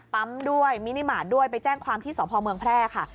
ด้วยมินิมาตรด้วยไปแจ้งความที่สพเมืองแพร่ค่ะ